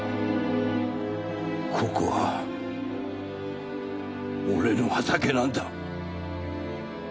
ここは俺の畑なんだ。